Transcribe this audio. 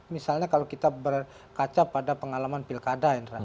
misalnya kalau kita berkaca pada pengalaman pilkada